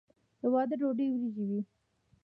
د واده ډوډۍ وریجې وي.